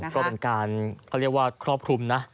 ก็เป็นการเขาเรียกว่าครอบคลุมนะ